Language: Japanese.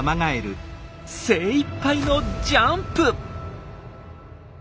精いっぱいのジャンプ！